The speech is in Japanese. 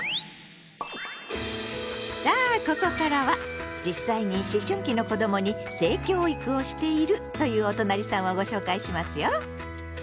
さあここからは実際に思春期の子どもに性教育をしているというおとなりさんをご紹介しますよ！